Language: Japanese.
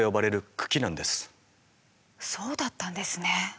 そうだったんですね。